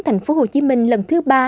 thành phố hồ chí minh lần thứ ba